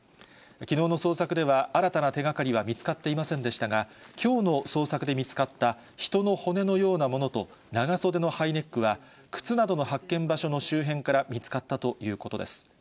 きのうの捜索では、新たな手がかりは見つかっていませんでしたが、きょうの捜索で見つかった人の骨のようなものと、長袖のハイネックは、靴などの発見場所の周辺から見つかったということです。